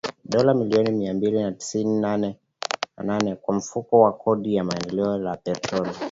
(dola milioni mia mbili tisini na nane) kwa Mfuko wa Kodi ya Maendeleo ya Petroli